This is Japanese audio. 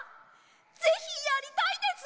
ぜひやりたいです！